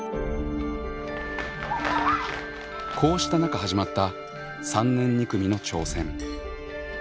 こうした中始まった３年２組の挑戦。